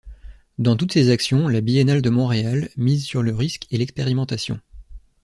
Dans toutes ses actions, La Biennale de Montréal mise sur le risque et l’expérimentation.